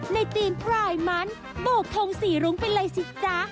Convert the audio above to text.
ทีมพลายมันโบกทงสีรุ้งไปเลยสิจ๊ะ